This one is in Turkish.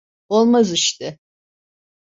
Olmaz işte.